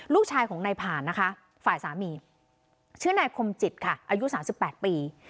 ลูกชายของนายผ่านนะคะฝ่ายสามีชื่อนายคมจิตค่ะอายุ๓๘ปี